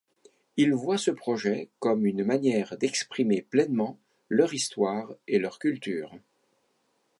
Ils voient ce projet comme une manière d'exprimer pleinement leur histoire et leur culture.